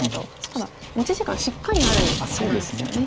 ただ持ち時間しっかりある碁なんですよね。